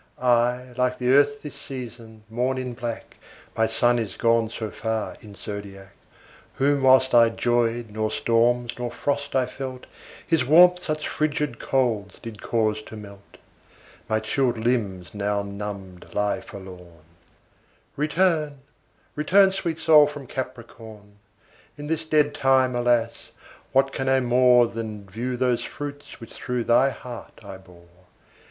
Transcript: I, like the Earth this season, mourn in black, My Sun is gone so far in's zodiac, Whom whilst I 'joyed, nor storms, nor frost I felt, His warmth such fridged colds did cause to melt. My chilled limbs now numbed lie forlorn; Return; return, sweet Sol, from Capricorn; In this dead time, alas, what can I more Than view those fruits which through thy heart I bore?